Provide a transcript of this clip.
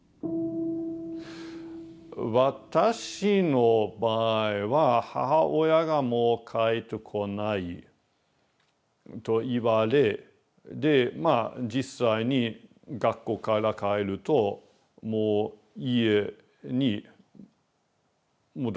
私の場合は母親がもう帰ってこないと言われでまあ実際に学校から帰るともう家にもう誰もいない。